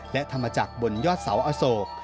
และทำมาจากบนยอดเสาอโศก